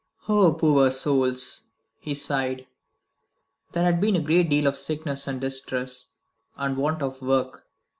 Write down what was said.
"Oh, poor souls!" he sighed. "There has been a great deal of sickness and distress, and want of work.